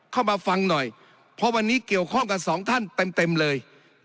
เข้ามาฟังหน่อยเพราะวันนี้เกี่ยวข้องกับสองท่านเต็มเต็มเลย